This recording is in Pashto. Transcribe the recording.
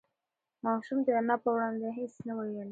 ماشوم د انا په وړاندې هېڅ نه ویل.